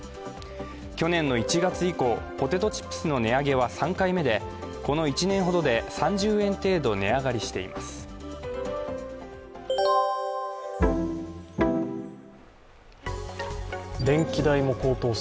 去年の１月以降ポテトチップスの値上げは３回目でこの１年ほどで３０円程度値上がりしています。